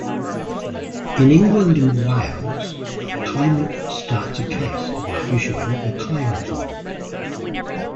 In England and Wales, a Claimant starts a case by issuing a Claim Form.